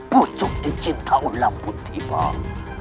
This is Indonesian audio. pucuk di cinta ulang putih bang